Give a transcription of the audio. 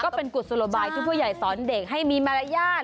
เป็นกุศโลบายที่ผู้ใหญ่สอนเด็กให้มีมารยาท